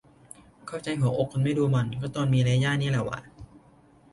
เข้าใจหัวอกคนไม่ดูบอล ก็ตอนมีเรยานี่แหละว่ะ